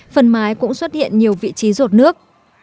phần mái cũng xuất hiện nhiều vị trí rột nước